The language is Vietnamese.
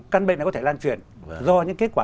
căn bệnh này có thể lan truyền do những kết quả